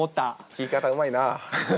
聞き方うまいなあ。